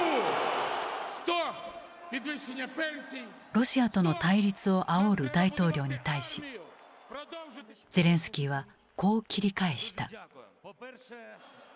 ロシアとの対立をあおる大統領に対しゼレンスキーはこう切り返した。